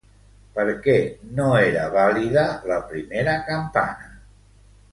Per què no era vàlida la primera campana?